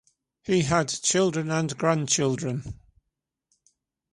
He had children and grandchildren.